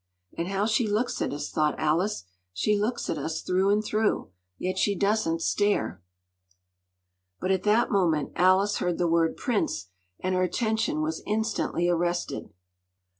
“And how she looks at us!” thought Alice. “She looks at us through and through. Yet she doesn’t stare.” But at that moment Alice heard the word “prince,” and her attention was instantly arrested.